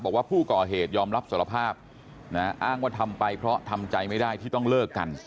บอกว่าผู้ก่อเหตุยอมรับสารภาพอ้างว่าทำไปเพราะทำใจไม่ได้ที่ต้องเลิกกัน